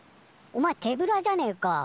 おまえ手ぶらじゃねえか。